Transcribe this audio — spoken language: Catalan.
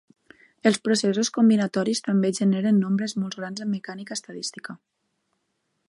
Els processos combinatoris també generen nombres molt grans en mecànica estadística.